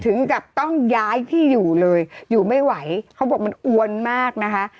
ถึงกับต้องย้ายที่อยู่เลยอยู่ไม่ไหวเขาบอกมันอวนมากนะคะ